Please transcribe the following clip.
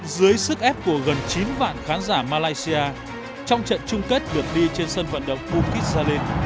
dưới sức ép của gần chín vạn khán giả malaysia trong trận chung kết lượt đi trên sân vận động bukit jalil